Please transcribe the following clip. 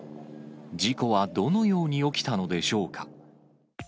事故はどのように起きたのでしょうか。